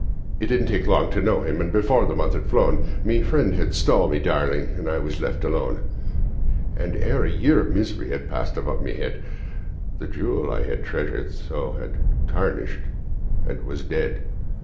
"It didn't take long to know him, and before the month had flown My friend had stole my darling, and I was left alone; And ere a year of misery had passed above my head, The jewel I had treasured so had tarnished and was dead.